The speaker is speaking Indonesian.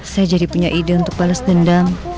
saya jadi punya ide untuk balas dendam